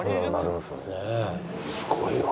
すごいわ。